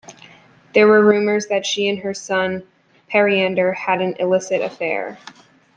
There were rumors that she and her son Periander had an illicit affair.